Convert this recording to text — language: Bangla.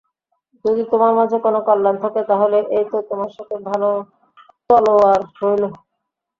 যদি তোমার মাঝে কোন কল্যাণ থাকে তাহলে এই তো তোমার সাথে তলোয়ার রইল।